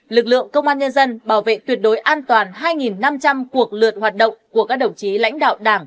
lực lượng công an nhân dân bảo vệ tuyệt đối an toàn hai năm trăm linh cuộc lượt hoạt động của các đồng chí lãnh đạo đảng